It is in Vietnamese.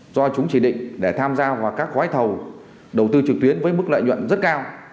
do chúng chỉ định để tham gia vào các gói thầu đầu tư trực tuyến với mức lợi nhuận rất cao